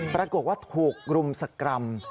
ปรากฏว่าถูกรุมสกรรม